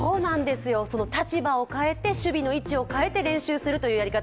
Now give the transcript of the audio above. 立場を変えて守備の位置を変えて練習するというやり方。